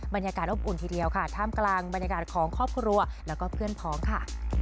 บรรยากาศอบอุ่นทีเดียวค่ะท่ามกลางบรรยากาศของครอบครัวแล้วก็เพื่อนพ้องค่ะ